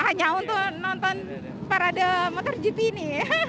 hanya untuk nonton parade motogp ini